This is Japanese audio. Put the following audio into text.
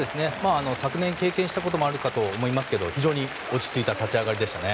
昨年経験したこともあるかと思いますが非常に落ち着いた立ち上がりでしたね。